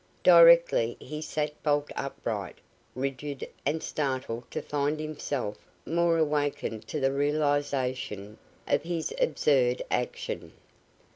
Directly he sat bolt upright, rigid and startled to find himself more awakened to the realization of his absurd action.